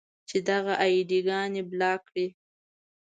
چې دغه اې ډي ګانې بلاک کړئ.